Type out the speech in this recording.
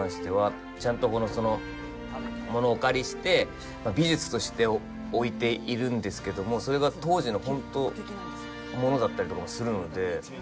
ちゃんと物をお借りして美術として置いているんですけどもそれが当時のホント物だったりとかもするので。